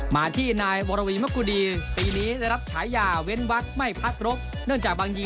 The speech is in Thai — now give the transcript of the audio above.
มาที่นายวรวีมกุดี